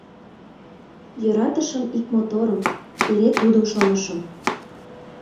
Йӧратышым ик моторым, эре тудым шонышым.